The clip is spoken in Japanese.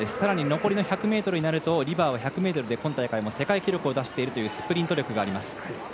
残りの１００になるとリバーは１００ｍで今大会も金メダルをとっているというスプリント力があります。